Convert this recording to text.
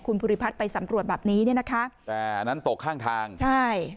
คุณภูริพัฒน์ไปสำรวจแบบนี้เนี่ยนะคะแต่อันนั้นตกข้างทางใช่